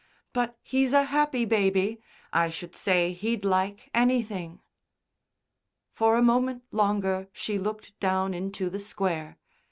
But he's a happy baby. I should say he'd like anything." For a moment longer she looked down into the Square.